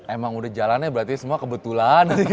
emang udah jalannya berarti semua kebetulan